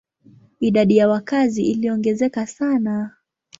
Idadi ya wakazi iliongezeka sana.